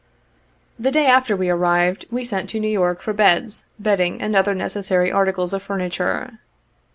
The day after we arrived, we sent to New York for beds, bedding and other necessary articles of furniture.